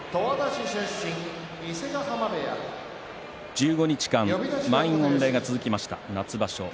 １５日間、満員御礼が続きました夏場所。